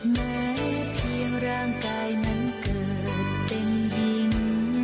แม้เพียงร่างกายนั้นเกิดเป็นดิน